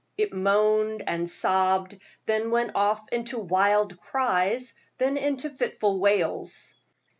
It moaned and sobbed, then went off into wild cries, then into fitful wails.